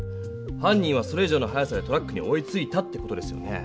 犯人はそれ以上の速さでトラックに追いついたって事ですよね。